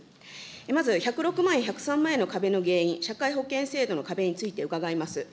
まず１０６万円、１０３万円の壁の原因、社会保険制度の壁について伺います。